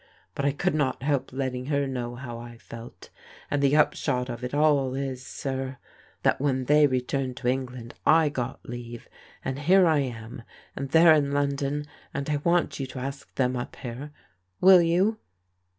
But I could not help letting her know how I felt, and the upshot of it all is, sir, that when they returned to Eng land I got leave, and here I am, and they're in London, and I want you to ask them up here. Will you